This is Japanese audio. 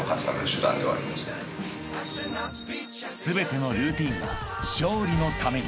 ［全てのルーティンが勝利のために］